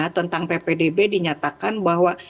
tentang ppdb dinyatakan bahwa